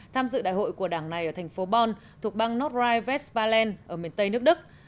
tham dự đại hội của đảng này ở thành phố bonn thuộc bang nordrhein westfalen ở miền tây nước đức